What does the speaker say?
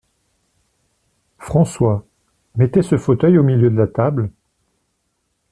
François, mettez ce fauteuil au milieu de la table…